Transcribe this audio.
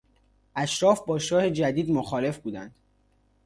اشراف با شاه جدید مخالف بودند.